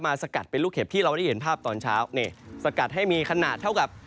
สกัดเป็นลูกเห็บที่เราได้เห็นภาพตอนเช้านี่สกัดให้มีขนาดเท่ากับ